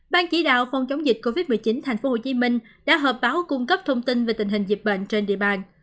ban chỉ đạo phòng chống dịch covid một mươi chín tp hcm đã họp báo cung cấp thông tin về tình hình dịch bệnh trên địa bàn